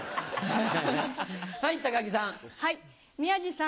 はい木さん。